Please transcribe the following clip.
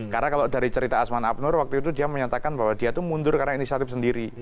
karena kalau dari cerita asman abnur waktu itu dia menyatakan bahwa dia itu mundur karena inisiatif sendiri